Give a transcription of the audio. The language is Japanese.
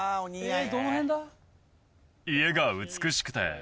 えっどの辺だ？